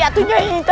itu nyai itu